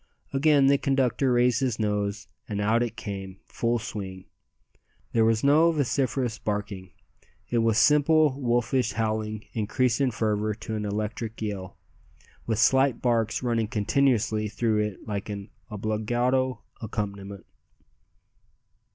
Again the conductor raised his nose, and out it came full swing. There was no vociferous barking. It was simple wolfish howling increased in fervour to an electric yell, with slight barks running continuously through it like an obbligato accompaniment.